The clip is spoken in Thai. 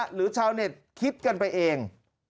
ชาวเน็ตคิดกันไปเอง